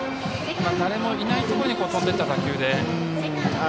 誰もいないところに飛んでいった打球で。